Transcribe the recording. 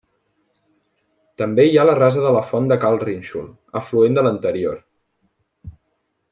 També hi ha la Rasa de la Font de Cal Rínxol, afluent de l'anterior.